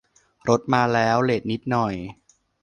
รถมาแล้ว เลตนิดหน่อย